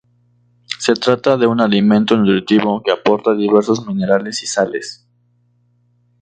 Se trata de un alimento nutritivo que aporta diversos minerales y sales.